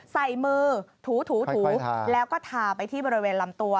ใส่มือถูแล้วก็ทาไปที่บริเวณลำตัว